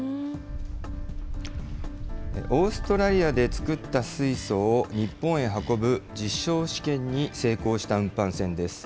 オーストラリアで作った水素を、日本へ運ぶ実証試験に成功した運搬船です。